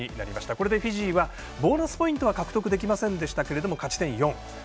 これでフィジーはボーナスポイントは獲得できませんでしたけれども勝ち点４。